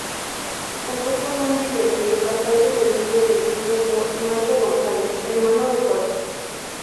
Contó con un videoclip bastante sencillo dirigido por Marco González, hermano de Jorge.